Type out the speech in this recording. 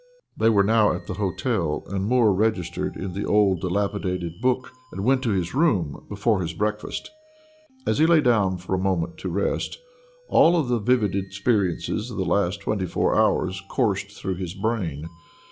They were now at the hotel, and Moore registered in the old dilapidated book, and went to his room before his breakfast. As he lay down for a moment to rest, all of the vivid experiences of the last twenty four hours coursed through his brain.